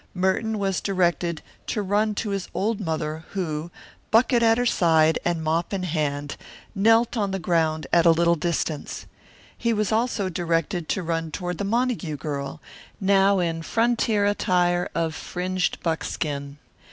Merton was directed to run to his old mother who, bucket at her side and mop in hand, knelt on the ground at a little distance. He was also directed to run toward the Montague girl, now in frontier attire of fringed buckskin.